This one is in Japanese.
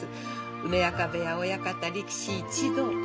梅若部屋親方・力士一同」。